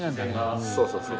そうそうそう。